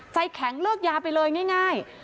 ใจแข็งเลิกยาไปเลยง่าย